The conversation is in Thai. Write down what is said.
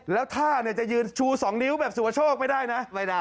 แล้วท่าเนี่ยจะยืนชูสองนิ้วแบบสุโชคไม่ได้นะ